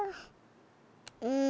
うん。